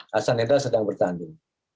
hasan hendrak sedang bertanding